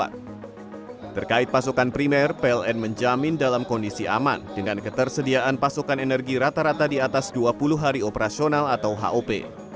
terkait pasokan primer pln menjamin dalam kondisi aman dengan ketersediaan pasokan energi rata rata di atas dua puluh hari operasional atau hop